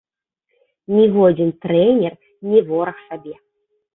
Ніводзін трэнер не вораг сабе.